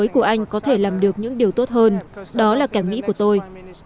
tôi nghĩ rằng thủ tướng mới của anh có thể làm được những điều tốt hơn đó là cảm nghĩ của tôi